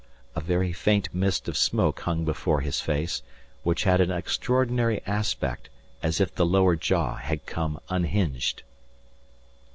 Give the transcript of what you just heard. A very faint mist of smoke hung before his face which had an extraordinary aspect as if the lower jaw had come unhinged.